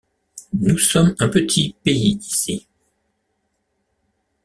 Nous sommes un petit pays ici.